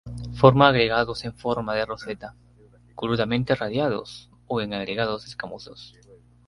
Forma agregados en forma de roseta, crudamente radiados o en agregados escamosos.